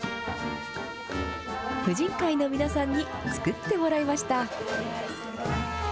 婦人会の皆さんに作ってもらいました。